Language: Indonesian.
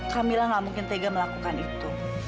kamilah nggak mungkin tega melakukan itu